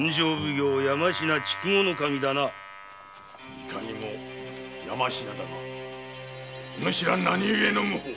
いかにも山科だがお主ら何ゆえの無法？